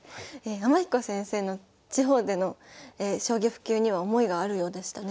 天彦先生の地方での将棋普及には思いがあるようでしたね。